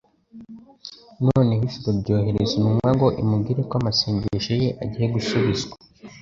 noneho ijuru ryohereza intumwa ngo imubwire ko amasengesho ye agiye gusubizwa;